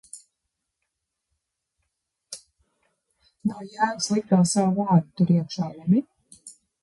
Nav jēgas likt vēl savu vārdu tur iekšā, labi?